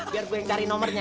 biar gue yang cari nomornya